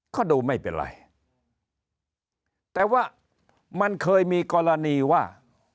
ก็ดูไม่เป็นไรแต่ว่ามันเคยมีกรณีว่า